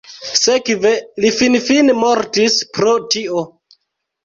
Sekve, li finfine mortis pro tio.